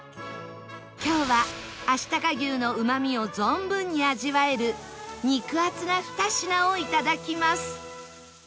今日はあしたか牛のうまみを存分に味わえる肉厚な２品をいただきます